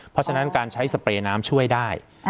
เพราะฉะนั้นการใช้สเปรย์น้ำช่วยได้